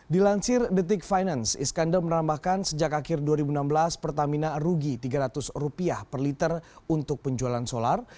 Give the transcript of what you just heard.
di lansir detik finance iskandar merambahkan sejak akhir dua ribu enam belas pertamina rugi tiga ratus rupiah per liter untuk penjualan solar